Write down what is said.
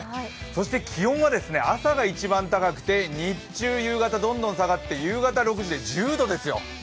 そして、気温は朝が一番高くて、日中、夕方、どんどん下がって寒いですね。